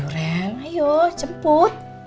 ren ayo jemput